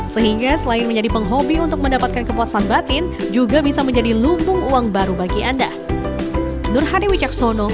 sehingga selain menjadi penghobi untuk mendapatkan kepuasan batin juga bisa menjadi lumbung uang baru bagi anda